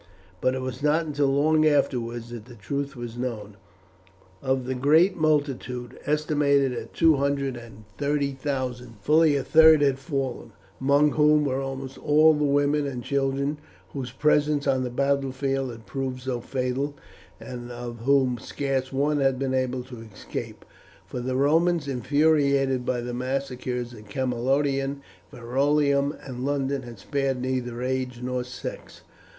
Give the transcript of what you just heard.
But it was not until long afterwards that the truth was known. Of the great multitude, estimated at two hundred and thirty thousand, fully a third had fallen, among whom were almost all the women and children whose presence on the battlefield had proved so fatal, and of whom scarce one had been able to escape; for the Romans, infuriated by the massacres at Camalodunum, Verulamium, and London had spared neither age nor sex.